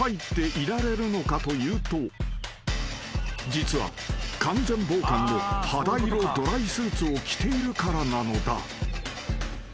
［実は完全防寒の肌色ドライスーツを着ているからなのだ］